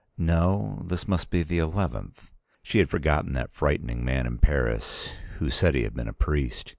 No, this must be the eleventh. She had forgotten that frightening man in Paris who said he had been a priest.